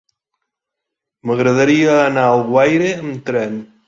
M'agradaria anar a Alguaire amb tren.